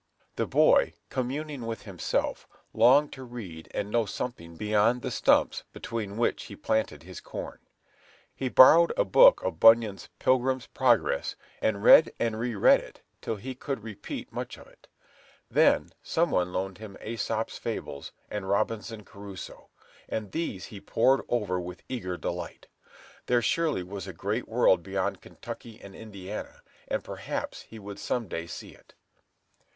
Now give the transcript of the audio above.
The boy, communing with himself, longed to read and know something beyond the stumps between which he planted his corn. He borrowed a copy of Bunyan's "Pilgrim's Progress," and read and re read it till he could repeat much of it. Then some one loaned him "Æsop's Fables" and "Robinson Crusoe," and these he pored over with eager delight. There surely was a great world beyond Kentucky and Indiana, and perhaps he would some day see it.